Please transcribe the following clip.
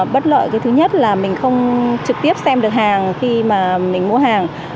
bất lợi cái thứ nhất là mình không trực tiếp xem được hàng khi mà mình mua hàng